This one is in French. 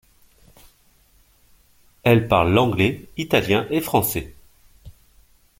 Elle parle l'anglais, italien et français.